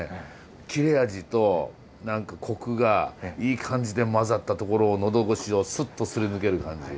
切れ味と何かコクがいい感じで混ざったところを喉越しをスッとすり抜ける感じ。